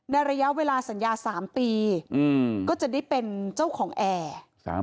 ระยะเวลาสัญญา๓ปีก็จะได้เป็นเจ้าของแอร์